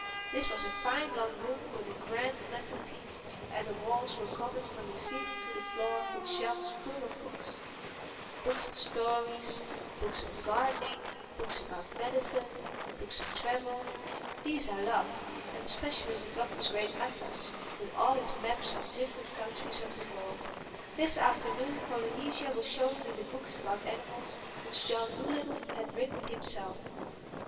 This was a fine long room with a grand mantlepiece and the walls were covered from the ceiling to the floor with shelves full of books: books of stories, books on gardening, books about medicine, books of travel; these I loved—and especially the Doctor's great atlas with all its maps of the different countries of the world. This afternoon Polynesia was showing me the books about animals which John Dolittle had written himself.